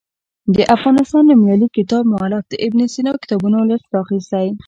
د افغانستان نومیالي کتاب مولف د ابن سینا کتابونو لست راخیستی.